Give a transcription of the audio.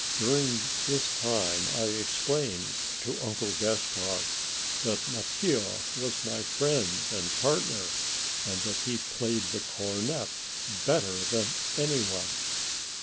During this time I explained to Uncle Gaspard that Mattia was my friend and partner, and that he played the cornet better than any one.